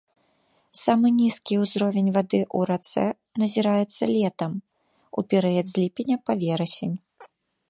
Самы нізкі ўзровень вады ў рацэ назіраецца летам, у перыяд з ліпеня па верасень.